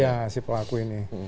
ya si pelaku ini